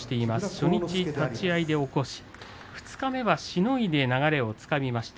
初日、立ち合いで起こし二日目はしのいで流れをつかみました。